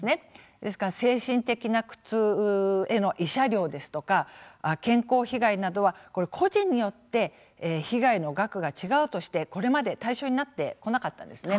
ですから精神的な苦痛への慰謝料ですとか健康被害などは個人によって被害の額が違うとしてこれまで対象になってこなかったんです。